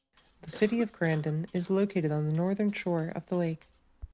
The city of Crandon is located on the northern shore of the lake.